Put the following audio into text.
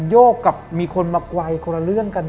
โยกกับมีคนมาไกลคนละเรื่องกัน